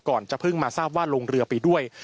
จะเพิ่งมาทราบว่าลงเรือไปด้วย